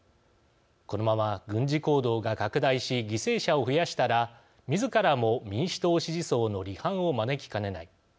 このまま軍事行動が拡大し犠牲者を増やしたらみずからも民主党支持層の離反を招きかねない。